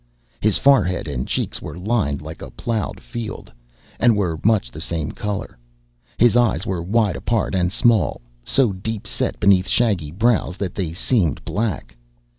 His forehead and cheeks were lined like a plowed field, and were much the same color. His eyes were wide apart and small, so deep set beneath shaggy brows that they seemed black.